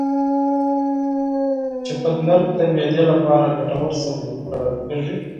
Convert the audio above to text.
چغندر د معدې لپاره ګټور سبزی ګڼل کېږي.